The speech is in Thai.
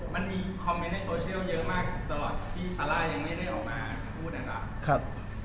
มันมีคอมเมนต์ในโซเชียลเยอะมากตลอดที่ซาร่ายังไม่ได้ออกมาพูดนะครับ